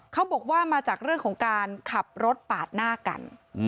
เขาบอกว่ามาจากเรื่องของการขับรถปาดหน้ากัน